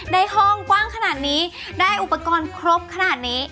ในห้องกว้างขนาดนี้ได้อุปกรณ์ครบขนาดนี้